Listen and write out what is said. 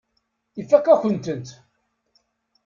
Ifakk-akent-tent.